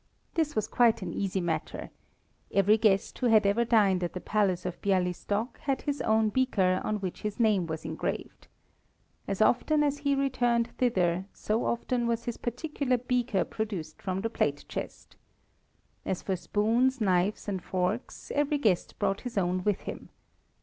This was quite an easy matter. Every guest who had ever dined at the Palace of Bialystok had his own beaker on which his name was engraved. As often as he returned thither so often was his particular beaker produced from the plate chest. As for the spoons, knives, and forks, every guest brought his own with him.